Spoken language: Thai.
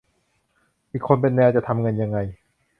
อีกคนเป็นแนว จะทำเงินยังไง